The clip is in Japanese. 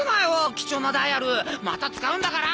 貴重なダイアルまた使うんだから！